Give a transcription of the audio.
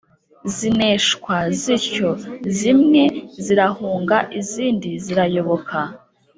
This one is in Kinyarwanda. zineshwa zityo, zimwe zirahunga izindi zirayoboka.